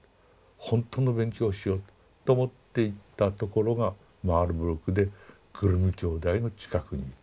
ほんとの勉強をしようと思って行ったところがマールブルクでグリム兄弟の近くにいた。